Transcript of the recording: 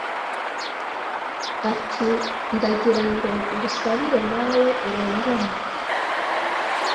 ati «Ndagira ngo ngusabire na we urongore,